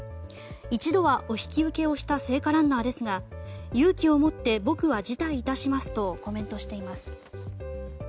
一度はお引き受けをした聖火ランナーですが勇気を持って僕は辞退致しますとコメントしています。